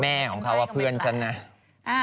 แม่ของเขาว่าเพื่อนฉันนะแม่ของเขาว่าเพื่อนฉันนะ